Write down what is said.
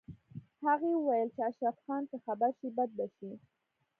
هغې وویل چې اشرف خان که خبر شي بد به شي